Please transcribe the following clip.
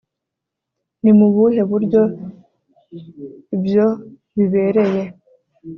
ni mu buhe buryo ibyo bibereye